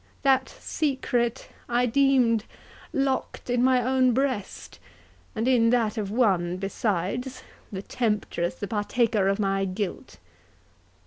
—That secret I deemed locked in my own breast, and in that of one besides—the temptress, the partaker of my guilt.